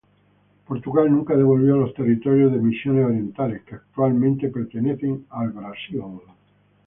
Portugal nunca devolvió los territorios de Misiones Orientales, que actualmente pertenecen al Brasil.